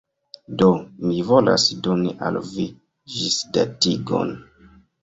Do. Mi volas doni al vi ĝisdatigon